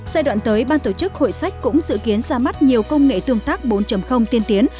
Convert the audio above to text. giai đoạn tới ban tổ chức hội sách cũng dự kiến ra mắt nhiều công nghệ tương tác bốn tiên tiến